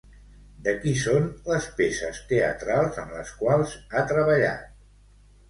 De qui són les peces teatrals en les quals ha treballat?